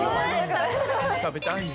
食べたい！